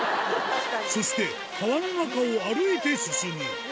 そして、川の中を歩いて進む。